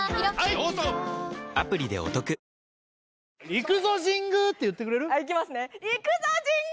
行くぞ神宮！って言ってくれる？